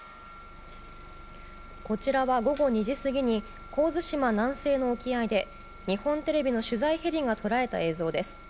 こちらは、午後２時過ぎに神津島南西の沖合で日本テレビの取材ヘリが捉えた映像です。